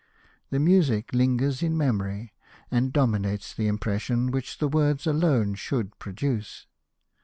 The music lingers in the memor}^, and dominates the impression w^hich the words alone should produce.